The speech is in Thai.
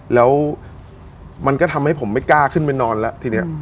แล้วมันก็ทำให้ผมไม่กล้าขึ้นไปนอนแล้วทีนี้